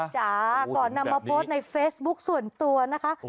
จ้าก่อนนำมาโพสต์ในเฟซบุ๊คส่วนตัวนะคะ